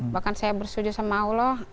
bahkan saya bersetuju sama allah